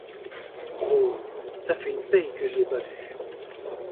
Rho ça fait une paye que je l’ai pas vue.